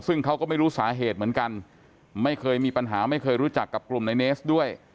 ซึ่งเขาก็ไม่รู้สาเหตุเหมือนกันไม่เคยมีปัญหาไม่เคยรู้จักกับกลุ่มในเนสด้วย